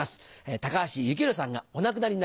高橋幸宏さんがお亡くなりになりました。